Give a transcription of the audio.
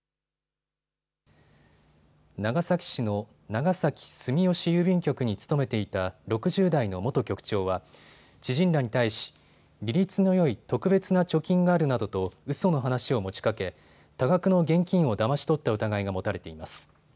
長崎市の長崎住吉郵便局に勤めていた６０代の元局長は知人らに対し利率のよい特別な貯金があるなどと、うその話を持ちかけ多額の現金をだまし取った疑いが持たれています。